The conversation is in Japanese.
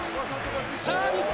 さあ、日本。